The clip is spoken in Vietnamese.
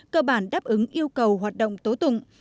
cơ bản đáp ứng yêu cầu hoạt động tố tụng